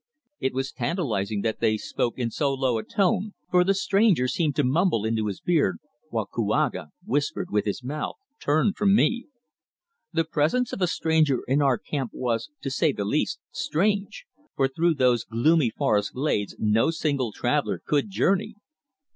It was tantalizing that they spoke in so low a tone, for the stranger seemed to mumble into his beard, while Kouaga whispered with his mouth turned from me. The presence of a stranger in our camp was, to say the least, strange, for through those gloomy forest glades no single traveller could journey.